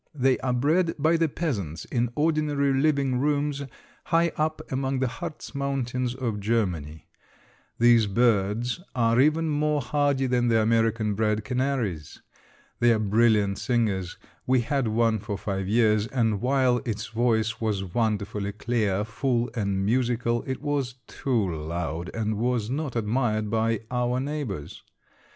They are bred by the peasants in ordinary living rooms high up among the Hartz Mountains of Germany. These birds are even more hardy than the American bred canaries. They are brilliant singers. We had one for five years, and while its voice was wonderfully clear, full, and musical, it was too loud and was not admired by our neighbors.